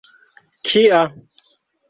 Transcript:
kia